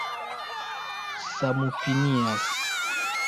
samopinias